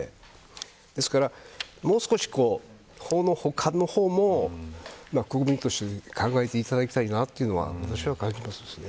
ですからもう少し法の補完の方も国として考えていただきたいというのを、私は感じます。